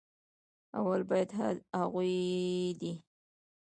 اول بايد هغوي دې